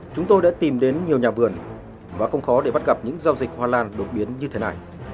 chúng tôi đã tìm đến nhiều nhà vườn và không khó để bắt gặp những giao dịch hoa lan đột biến như thế này